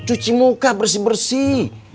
cuci muka bersih bersih